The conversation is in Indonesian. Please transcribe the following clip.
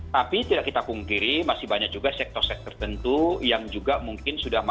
tapi tidak kita pungkiri masih banyak juga sektor sektor tertentu yang juga mungkin sudah masuk